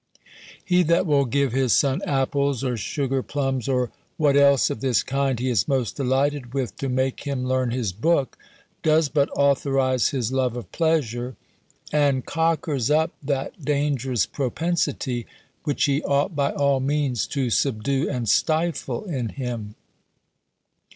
He that will give his son apples, or sugar plums, or what else of this kind he is most delighted with, to make him learn his book, does but authorize his love of pleasure, and cockers up that dangerous propensity, which he ought, by all means, to subdue and stifle in him.